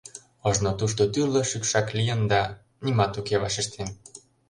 Ожно тушто тӱрлӧ шӱкшак лийын да...» — «Нимат уке, — вашештем.